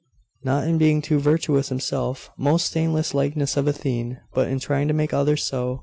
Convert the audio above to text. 'Not in being too virtuous himself, most stainless likeness of Athene, but in trying to make others so.